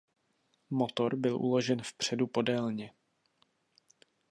Motor byl uložen vpředu podélně.